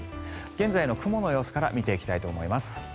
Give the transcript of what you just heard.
現在の雲の様子から見ていきたいと思います。